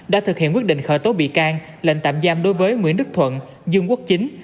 đã thực hiện quyết định khởi tố bị can lệnh tạm giam đối với nguyễn đức thuận dương quốc chính